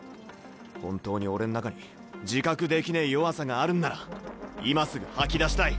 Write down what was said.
本当に俺ん中に自覚できねえ弱さがあるんなら今すぐ吐き出したい。